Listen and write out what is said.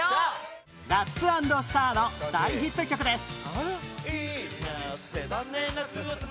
ラッツ＆スターの大ヒット曲です